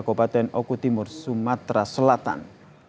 kabupaten oku timur sumatera selatan